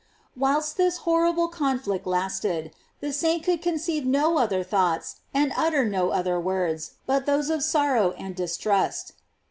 Whilst this horrible conflict lasted, the saint could conceive no other thoughts and utter no other words but those of sorrow and distrust.